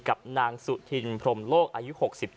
กับนางสุธินพรมโลกอายุ๖๗